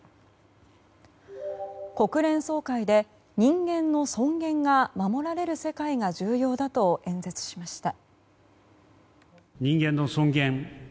国連総会で人間の尊厳が守られる世界が重要だと演説しました。